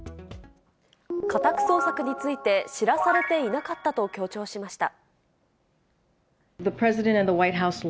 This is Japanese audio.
家宅捜索について、知らされていなかったと強調しました。